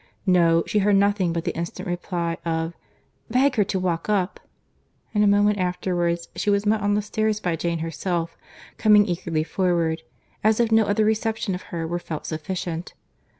—No; she heard nothing but the instant reply of, "Beg her to walk up;"—and a moment afterwards she was met on the stairs by Jane herself, coming eagerly forward, as if no other reception of her were felt sufficient.